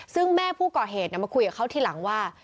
ซึ่งแม่ผู้ก่อเหตุมาคุยกับเขาทีหลังว่า